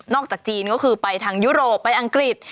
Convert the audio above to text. จากจีนก็คือไปทางยุโรปไปอังกฤษ